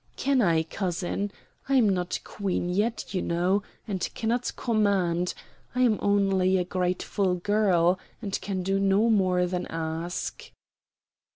Can I, cousin? I'm not Queen yet, you know, and cannot command. I'm only a grateful girl, and can do no more than ask."